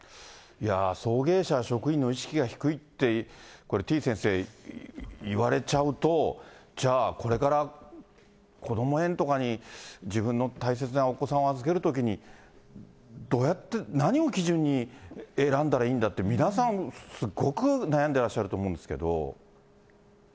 送迎者職員の意識が低いって、これ、てぃ先生、言われちゃうと、じゃあこれから、こども園とかに自分の大切なお子さんを預けるときに、どうやって、何を基準に選んだらいいんだって、皆さんすごく悩んでらっしゃると思うんですけど。